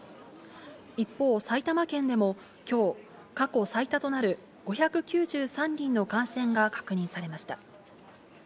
一方、埼玉県でもきょう過去最多となる５９３人の感染が確認されました。